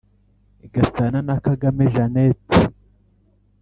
Gasana na Kagame Jeannette.